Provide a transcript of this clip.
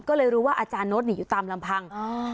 ก็เลยรู้ว่าอาจารย์โน๊ตอยู่ตามลำพัง